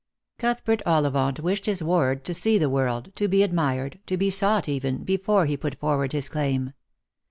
Cnthbert Ollivant wished his ward to see the world, to be admired, to be sought even, before he put forward his claim.